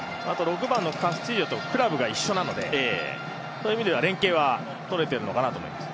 ６番のカスティージョとクラブが一緒なのでそういう意味では連係はとれてるのかなと思います。